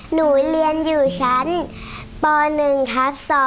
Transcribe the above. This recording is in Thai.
หนูเรียนอยู่ชั้นป๑ทับ๒